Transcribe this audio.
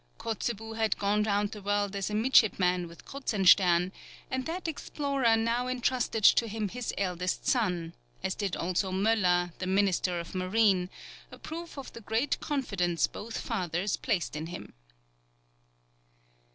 Kotzebue had gone round the world as a midshipman with Kruzenstern, and that explorer now entrusted to him his eldest son, as did also Möller, the Minister of Marine, a proof of the great confidence both fathers placed in him.